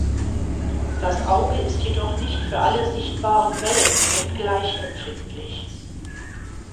Das Auge ist jedoch nicht für alle sichtbaren Wellenlängen gleich empfindlich.